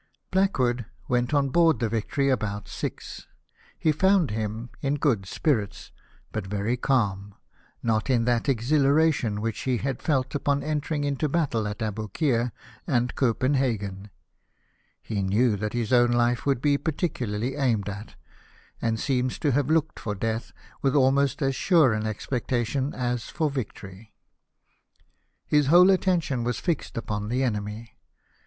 Blackwood went on board the Victory about six. He found him in good spirits, but very calm ; not in that exhilara tion which he had felt upon entering into battle at Aboukir and Copenhagen ; he knew that his own life would be particularly aimed at, and seems to have looked for death with almost as sure an expectation as for victor}^ His whole attention was fixed upon the enemy.